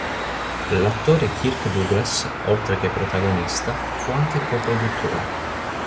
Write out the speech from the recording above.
L'attore Kirk Douglas, oltre che protagonista, fu anche coproduttore.